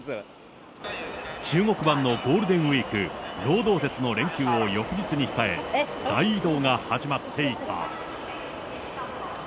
中国版のゴールデンウィーク、労働節の連休を翌日に控え、大移動が始まっていた。